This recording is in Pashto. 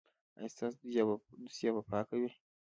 ایا ستاسو دوسیه به پاکه وي؟